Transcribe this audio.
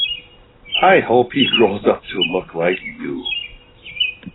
I hope he grows up to look like you.